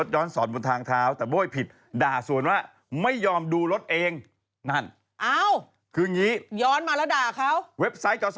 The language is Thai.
ย้อนมาแล้วด่าครับ